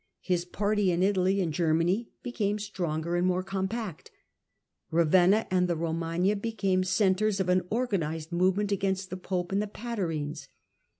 His party in Italy and Germany became stronger and more compact. Ravenna and the Bomagna became centres of an organised movement against the Pope and the Patarines.